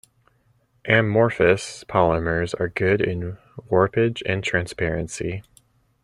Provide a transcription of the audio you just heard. Amorphous polymers are good in warpage and transparency.